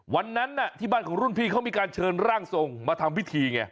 วันนั้นที่บ้านของรุ่นพี่เขามีการเชิญร่างทรงมาทำพิธีไง